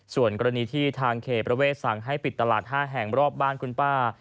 ส่วนกรณีที่ทางเขตประเวทสั่งให้ปิดตลาด๕แห่งรอบบ้านคุณป้า